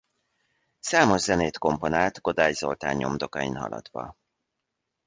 Számos zenét komponált Kodály Zoltán nyomdokain haladva.